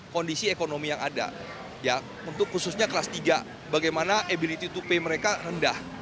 kondisi ekonomi yang ada untuk khususnya kelas tiga bagaimana ability to pay mereka rendah